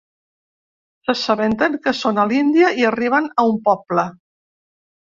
S'assabenten que són a l'Índia i arriben a un poble.